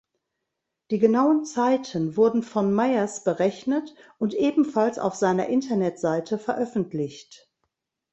Die genauen Zeiten wurden von Meyers berechnet und ebenfalls auf seiner Internetseite veröffentlicht.